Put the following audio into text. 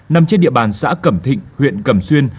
nằm trên địa bàn xã cẩm thịnh huyện cẩm xuyên